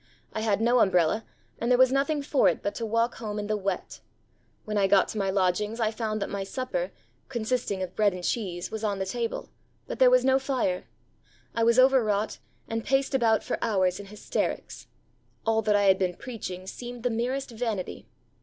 I had no umbrella, and there was nothing for it but to walk home in the wet. When I got to my lodgings I found that my supper, consisting of bread and cheese, was on the table, but there was no fire. I was overwrought, and paced about for hours in hysterics. All that I had been preaching seemed the merest vanity.'